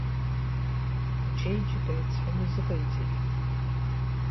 Ачеиџьыка еиҵҳәаны изыҟеиҵеит…